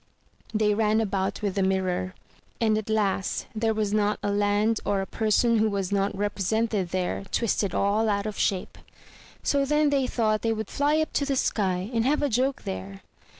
They ran about with the mirror; and at last there was not a land or a person who was not represented there twisted all out of shape. So then they thought they would fly up to the sky, and have a joke there.